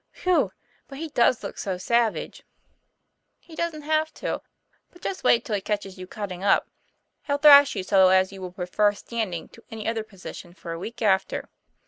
'Whew! But he doesn't look so savage." ' He doesn't have to. But just wait till he catches you cutting up. He'll thrash you so as you will pre fer standing to any other position for a week after."